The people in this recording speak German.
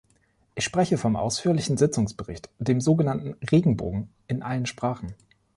Ich spreche vom Ausführlichen Sitzungsbericht, dem sogenannten "Regenbogen" in allen Sprachen.